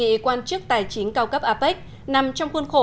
hội nghị quan chức tài chính cao cấp apec nằm trong khuôn khổ